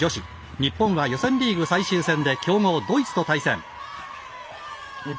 日本は予選リーグ最終戦で強豪ドイツと対戦。